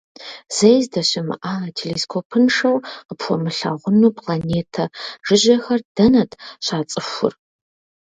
Зэи здэщымыӏа, телескопыншэу къыпхуэмылъэгъуну планетэ жыжьэхэр дэнэт щацӏыхур?